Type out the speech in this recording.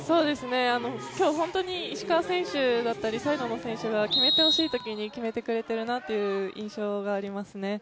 今日、本当に石川選手だったり、サイドの選手が、決めてほしいときに決めてくれているなという印象がありますね。